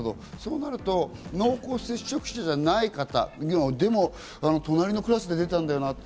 そうなると、濃厚接触者じゃない方でも、隣のクラスで出たんだよな。